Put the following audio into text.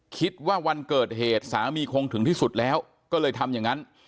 คิดว่าวันเกิดเหตุสามีคงถึงที่สุดแล้วก็เลยทำอย่างนั้น